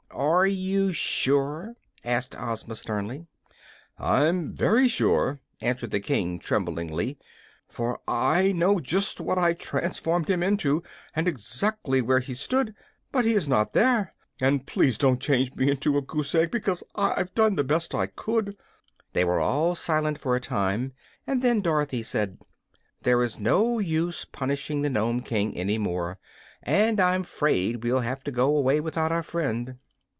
"Are you sure?" asked Ozma, sternly. "I'm very sure," answered the King, trembling, "for I know just what I transformed him into, and exactly where he stood. But he is not there, and please don't change me into a goose egg, because I've done the best I could." They were all silent for a time, and then Dorothy said: "There is no use punishing the Nome King any more, and I'm 'fraid we'll have to go away without our friend."